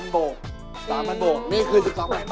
๓๐๐๐บก๓๐๐๐บกนี่คือ๑๒๐๐๐ป้ายนะครับผม